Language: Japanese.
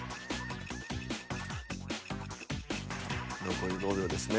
残り５秒ですね。